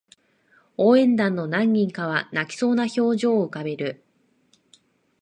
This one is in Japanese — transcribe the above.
応援団の何人かは泣きそうな表情を浮かべる